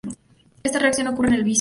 Esta reacción ocurre en el vacío.